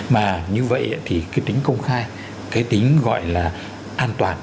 mà như vậy thì cái tính công khai cái tính gọi là an toàn